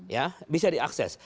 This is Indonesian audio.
ya bisa diakses